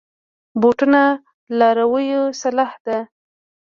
بوټونه د لارویو سلاح ده.